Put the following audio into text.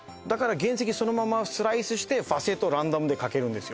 原石そのままスライスしてファセットランダムでかけるんですよ